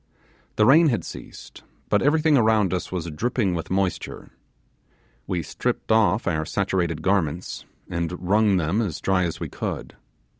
The rain had ceased, but everything around us was dripping with moisture. We stripped off our saturated garments, and wrung them as dry as we could.